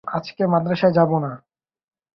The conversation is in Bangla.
রমেশ কহিল, হাঁ।